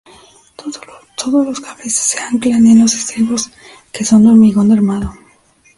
Todos los cables se anclan en los estribos, que son de hormigón armado.